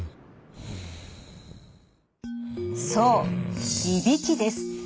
そういびきです。